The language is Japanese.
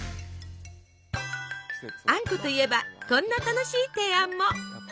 あんこといえばこんな楽しい提案も。